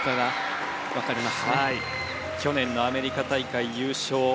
去年のアメリカ大会優勝。